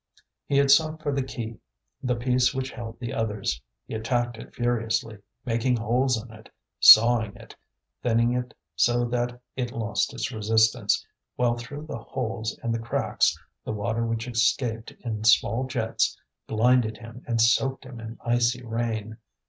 He had sought for the key, the piece which held the others; he attacked it furiously, making holes in it, sawing it, thinning it so that it lost its resistance; while through the holes and the cracks the water which escaped in small jets blinded him and soaked him in icy rain.